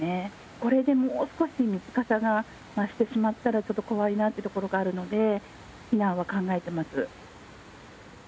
これでもう少し水かさが増してしまったら、ちょっと怖いなっていうところがあるので、避難を考えてます。